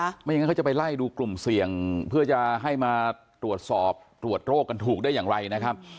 ไม่อย่างนั้นเขาจะไปไล่ดูกลุ่มเสี่ยงเพื่อจะให้มาตรวจสอบตรวจโรคกันถูกได้อย่างไรนะครับ